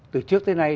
từ trước tới nay